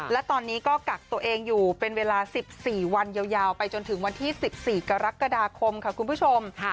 และตอนนี้ก็กักตัวเองอยู่เป็นเวลา๑๔วันยาวไปจนถึงวันที่๑๔กรกฎาคมค่ะคุณผู้ชม